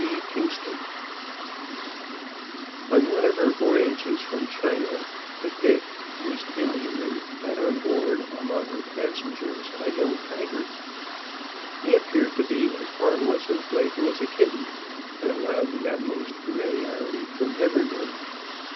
G. Kingston On one of her voyages from China, the Pitt, East Indiaman, had on board, among her passengers, a young tiger. He appeared to be as harmless and playful as a kitten, and allowed the utmost familiarity from every one.